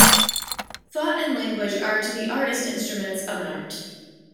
Thought and language are to the artist instruments of an art.